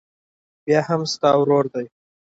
بيا هم ستا ورور دى.